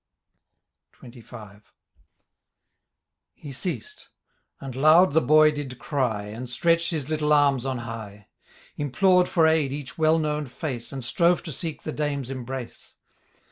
*' XXV. He ceased — and loud the boy did ciy. And stretched his little arms on high ; Implored for aid each well known fibce. And strove to seek the Darnels embrace.